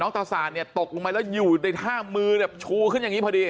น้องตะสานตกลงไปแล้วอยู่ในท่ามือชูขึ้นอย่างนี้พอดี